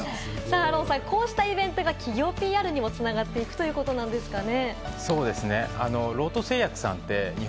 アーロンさん、こうしたイベントは企業ＰＲにも繋がっていくということですかね。